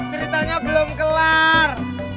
jat ceritanya belum kelar